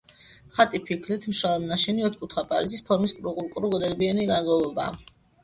ხატი ფიქლით, მშრალად ნაშენი, ოთხკუთხა პრიზმის ფორმის ყრუკედლებიანი ნაგებობაა.